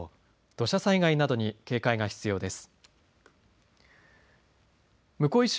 土砂災害などに警戒が必要です。